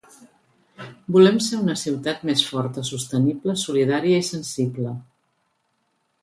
Volem ser una ciutat més forta, sostenible, solidària i sensible.